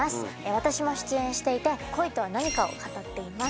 私も出演していて、恋とは何かを語っています。